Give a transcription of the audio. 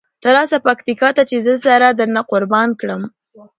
ته راسه پکتیکا ته چې زه سره درنه قربانه کړم.